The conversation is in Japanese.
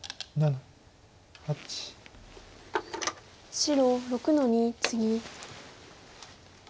白６の二ツギ。